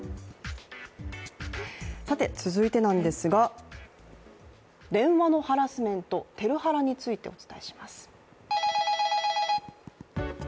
続いてなんですが、電話のハラスメント、ＴＥＬハラについてお伝えします。